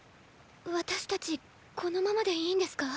私たちこのままでいいんですか？